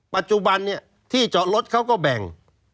ปัจจุบันที่เจาะรถเขาก็แบ่ง